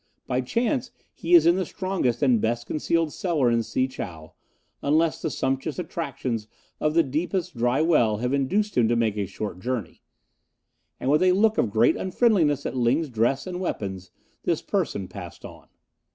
By chance he is in the strongest and best concealed cellar in Si chow, unless the sumptuous attractions of the deepest dry well have induced him to make a short journey"; and, with a look of great unfriendliness at Ling's dress and weapons, this person passed on.